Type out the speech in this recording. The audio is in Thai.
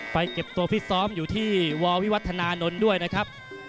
เก็บตัวฟิตซ้อมอยู่ที่ววิวัฒนานนท์ด้วยนะครับ